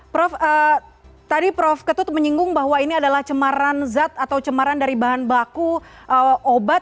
prof tadi prof ketut menyinggung bahwa ini adalah cemaran zat atau cemaran dari bahan baku obat